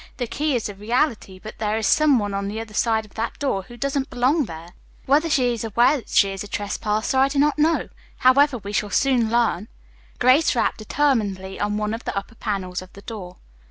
The key is a reality, but there is some one on the other side of that door who doesn't belong there. Whether she is not aware that she is a trespasser I do not know. However, we shall soon learn." Grace rapped determinedly on one of the upper panels of the door.